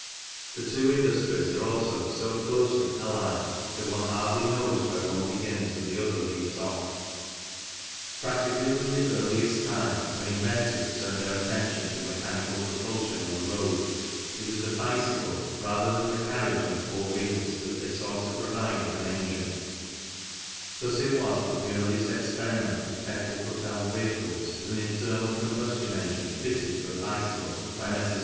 The two industries are also so closely allied that one hardly knows where one begins and the other leaves off. Practically from the earliest time, when inventors turned their attention to mechanical propulsion on the road, it was the bicycle rather than the carriage on four FIG. 26 THE SPARKBROOK TWO STROKE MOTOR CYCLE, FITTED WITH A VILLIERS ENGINE The magneto is in the flywheel wheels that they sought to provide with an engine. Thus it was that the earliest experiment with petrol propelled vehicles was an internal combustion engine fitted to a bicycle by Messrs.